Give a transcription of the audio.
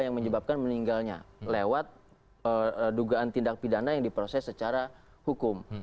yang menyebabkan meninggalnya lewat dugaan tindak pidana yang diproses secara hukum